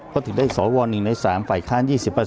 ก็ถึงได้สว๑ใน๓ฝ่ายค้าน๒๐